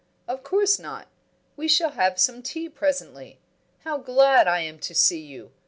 "Of course not. We shall have some tea presently. How glad I am to see you!